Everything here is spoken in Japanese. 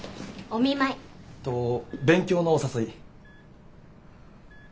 お見舞い。と勉強のお誘い。